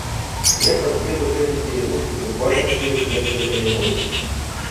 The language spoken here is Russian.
Я подъеду к этой деревушке буквально через несколько минут.